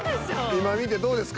今見てどうですか？